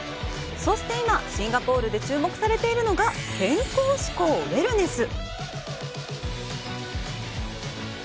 そして今、シンガポールで注目されているのが健康志向「ウェルネス」。